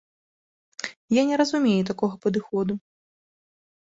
Я не разумею такога падыходу.